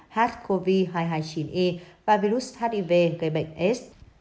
sars cov hai trăm hai mươi chín e và virus hiv gây bệnh s